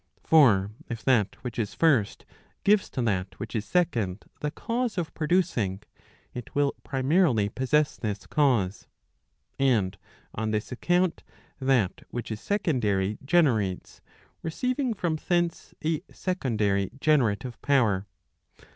For if that which is first gives to that which is second the cause of producing, it will primarily possess this cause; and on this account that which is secondary generates, receiving from thence a secondary generative power.